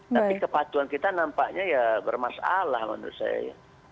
tapi kepatuan kita nampaknya ya bermasalah menurut saya ya